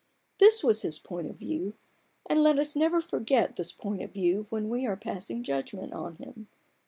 This was his point of view; and let us never forget this point of view when we are passing judgment on him.